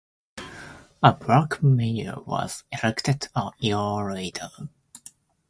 A black mayor was elected a year later.